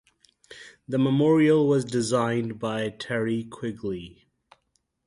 The memorial was designed by Terry Quigley.